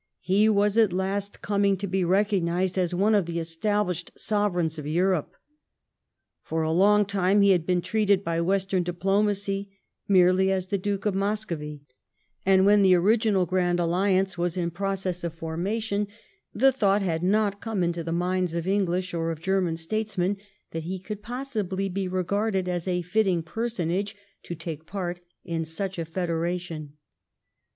He was at last coming to be recognised as one of the established sovereigns of Europe. For a long time he had been treated by Western diplomacy merely as the Duke of Muscovy, and when the original Grand Alliance was in process of formation, the thought had not come into the minds of English or of German statesmen that he could possibly be regarded as a fitting personage to take part in such a federation.